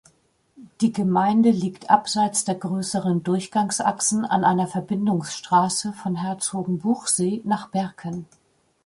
Die Gemeinde liegt abseits der grösseren Durchgangsachsen an einer Verbindungsstrasse von Herzogenbuchsee nach Berken.